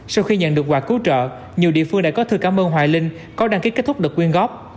sau khi nhận được quà cứu trợ nhiều địa phương đã có thư cảm ơn hoài linh có đăng ký kết thúc đợt quyên góp